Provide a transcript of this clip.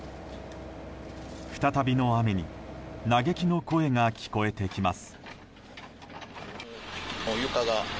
再びの雨に嘆きの声が聞こえてきます。